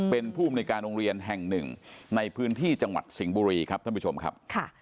เป็นผู้มนุยการโรงเรียนแห่งหนึ่งในพื้นที่จังหวัดสิงห์บุรีครับท่านผู้ชมครับ